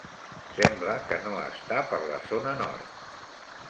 Sembla que no està per la zona nord.